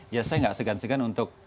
ya saya nggak segan segan untuk